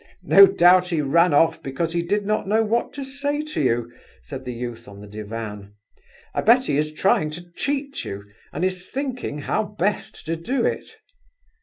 "No doubt he ran off because he did not know what to say to you," said the youth on the divan. "I bet he is trying to cheat you, and is thinking how best to do it."